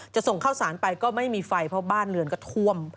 ส่งข้าวสารไปก็ไม่มีไฟเพราะบ้านเรือนก็ท่วม